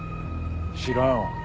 知らんわ。